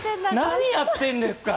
何やってんだか。